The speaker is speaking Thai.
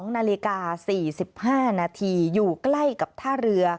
๒นาฬิกา๔๕นาทีอยู่ใกล้กับท่าเรือ